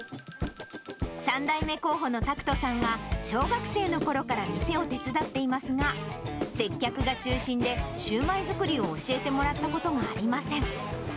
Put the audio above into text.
３代目候補の拓人さんは、小学生のころから店を手伝っていますが、接客が中心で、シューマイ作りを教えてもらったことがありません。